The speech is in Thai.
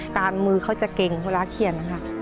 การมือเขาจะเก่งเวลาเขียนนะคะ